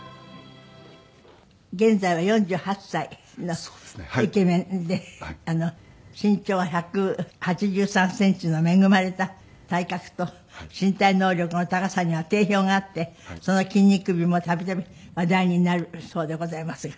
現在は４８歳のイケメンで身長は１８３センチの恵まれた体格と身体能力の高さには定評があってその筋肉美も度々話題になるそうでございますが。